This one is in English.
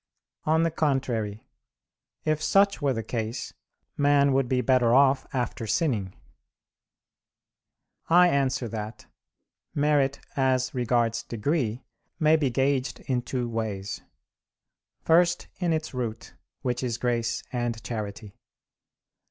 On the contrary, if such were the case, man would be better off after sinning. I answer that, Merit as regards degree may be gauged in two ways. First, in its root, which is grace and charity.